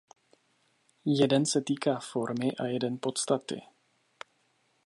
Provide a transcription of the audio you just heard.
Jeden se týká formy a jeden podstaty.